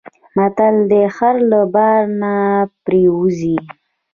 متل دی: خر له بار نه پرېوځي.